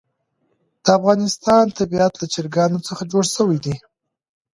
د افغانستان طبیعت له چرګانو څخه جوړ شوی دی.